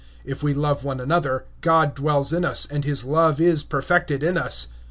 If we love one another, God abides in us, and the love of him is perfected in us.